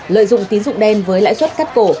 lợi dụng tín dụng đen với lãi suất cắt cổ